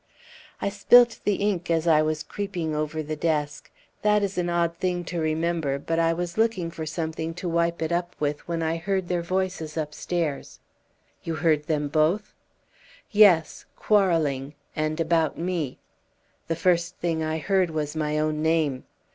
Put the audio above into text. "I spilt the ink as I was creeping over the desk. That is an odd thing to remember, but I was looking for something to wipe it up with when I heard their voices upstairs." "You heard them both?" "Yes quarrelling and about me! The first thing I heard was my own name.